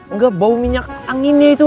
enggak bau minyak anginnya itu